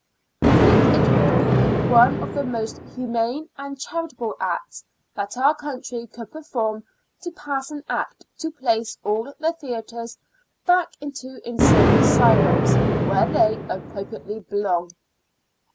I think it would be one of the most hu mane and charitable acts that our country could perform, to pass an act to place all the theaters back into insane asylums, where they appropriately belong.